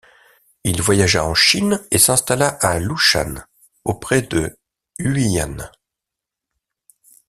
Il voyagea en Chine et s'installa à Lushan auprès de Huiyuan.